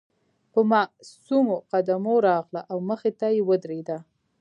په مصممو قدمونو راغله او مخې ته يې ودرېده.